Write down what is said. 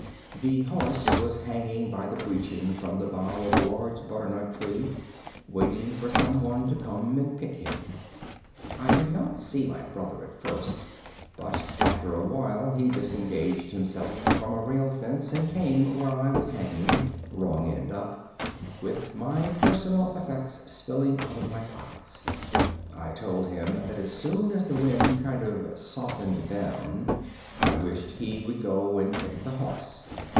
The horse was hanging by the breeching from the bough of a large butternut tree, waiting for some one to come and pick him. [Illustration: WAITING TO BE PICKED.] I did not see my brother at first, but after a while he disengaged himself from a rail fence and came where I was hanging, wrong end up, with my personal effects spilling out of my pockets. I told him that as soon as the wind kind of softened down, I wished he would go and pick the horse.